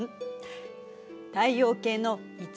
太陽系の一